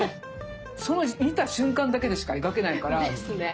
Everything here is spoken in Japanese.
その見た瞬間だけでしか描けないから。ですね。